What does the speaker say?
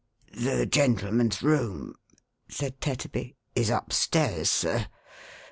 "The gentleman's room,11 said Tetterby, "is up stairs, sir.